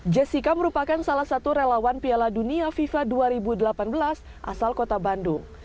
jessica merupakan salah satu relawan piala dunia fifa dua ribu delapan belas asal kota bandung